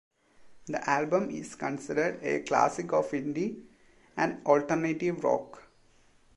The album is considered a classic of indie and alternative rock.